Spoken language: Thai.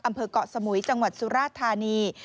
อำเภอกะสมุยจังหวัดสุราธารณี